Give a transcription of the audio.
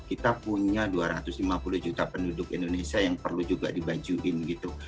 kita punya dua ratus lima puluh juta penduduk indonesia yang perlu juga dibajuin gitu